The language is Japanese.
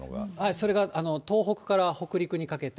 それが東北から北陸にかけて。